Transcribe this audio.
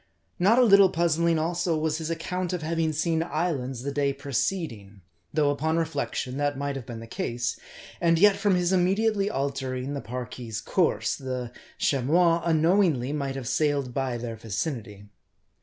Not a little puzzling, also, was his account of having seen islands the day preceding ; though, upon reflection, that might have been the case, and yet, from his immediately altering the Parki's course, the Chamois, unknowingly might have sailed by their vicinity.